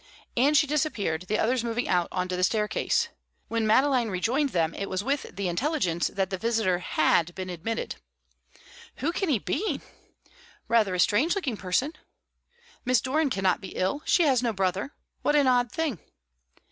And she disappeared, the others moving out on to the staircase. When Madeline rejoined them, it was with the intelligence that the visitor had been admitted. "Who can he be?" "Rather a strange looking person." "Miss Doran cannot be ill. She has no brother. What an odd thing!"